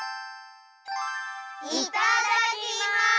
いただきます！